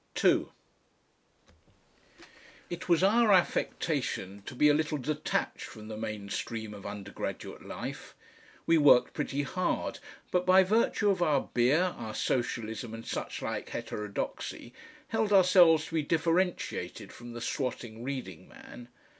2 It was our affectation to be a little detached from the main stream of undergraduate life. We worked pretty hard, but by virtue of our beer, our socialism and suchlike heterodoxy, held ourselves to be differentiated from the swatting reading man.